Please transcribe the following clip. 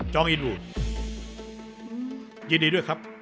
องอิดูยินดีด้วยครับ